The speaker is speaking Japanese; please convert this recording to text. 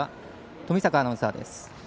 冨坂アナウンサーです。